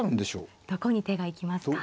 どこに手が行きますか。